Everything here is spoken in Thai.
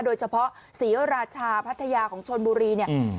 โดยเฉพาะศรีราชาพัทยาของชนบุรีเนี่ย